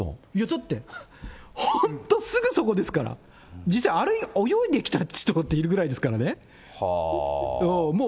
だって、本当、すぐそこですから、実際、泳いできた人っているぐらいですからね。